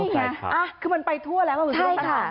นี่ไงคือมันไปทั่วแล้วประวัติศาสตรา